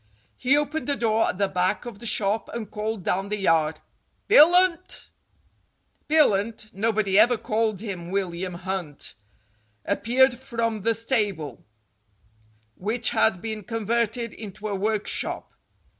He opened a door at the back of the shop and called down the yard : "Billunt !" Billunt nobody ever called him William Hunt appeared from the stable, which had been converted into a workshop.